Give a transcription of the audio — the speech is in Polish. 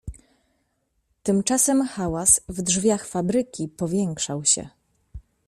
"Tymczasem hałas w drzwiach fabryki powiększał się."